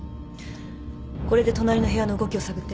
これで隣の部屋の動きを探って。